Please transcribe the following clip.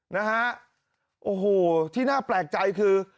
นะฮะโอ้โหที่น่าแปลกใจคือ